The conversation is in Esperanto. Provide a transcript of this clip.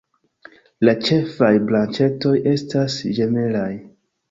La ĉefaj branĉetoj estas ĝemelaj.